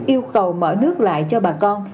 yêu cầu mở nước lại cho bà con